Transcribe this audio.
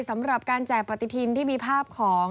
สำหรับการแจกปฏิทินที่มีภาพของ